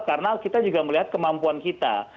karena kita juga melihat kemampuan kita